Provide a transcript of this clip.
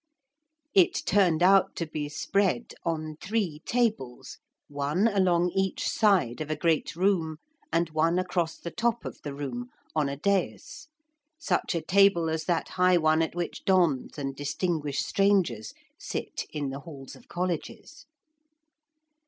It turned out to be spread on three tables, one along each side of a great room, and one across the top of the room, on a dais such a table as that high one at which dons and distinguished strangers sit in the Halls of colleges.